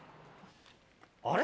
あれ？